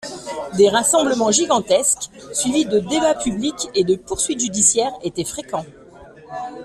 Des rassemblements gigantesques, suivis de débats publics, et de poursuites judiciaires étaient fréquents.